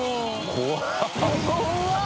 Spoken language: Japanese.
怖い！